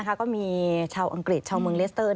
ก็มีชาวอังกฤษชาวเมืองเลสเตอร์